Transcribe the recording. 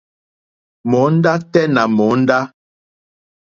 Mòóndá tɛ́ nà mòóndá.